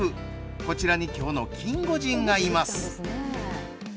こちらにきょうのキンゴジンがいます。